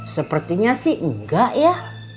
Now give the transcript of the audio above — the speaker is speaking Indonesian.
sepertinya sih enggak ya